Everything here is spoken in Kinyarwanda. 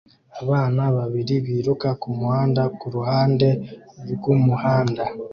Abana babiri biruka kumuhanda kuruhande rwumuhanda